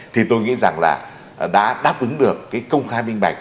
thì tôi nghĩ rằng là đã đáp ứng được công khai bình bạch